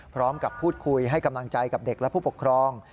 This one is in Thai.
พร้อมกับพูดคุยให้กำลังใจกับเด็กและผู้ปกครอง